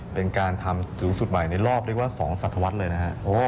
เป็นการทำสูงสุดใหม่ในรอบเรียกว่า๒สัตวรรษเลยนะครับ